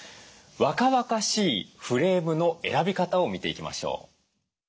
若々しいフレームの選び方を見ていきましょう。